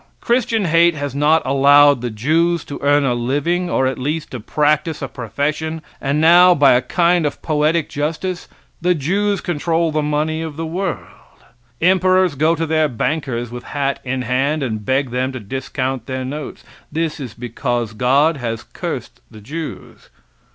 Christian hate has not allowed the Jews to earn a [living?] or at least to practice a profession, and now, by a kind of poetic justice, the Jews control the money of the world. Emperors go to their bankers with hats in hand and beg them to discount their notes. This is because God has cursed the Jews.